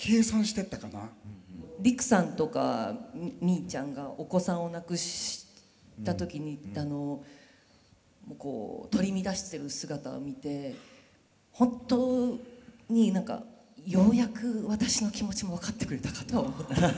りくさんとか実衣ちゃんがお子さんを亡くした時にあのこう取り乱してる姿を見て本当に何かようやく私の気持ちも分かってくれたかとは思ってた。